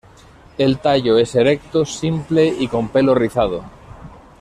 El tallo es erecto, simple y con pelo rizado.